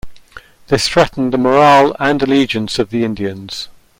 This threatened the morale and allegiance of the Indians.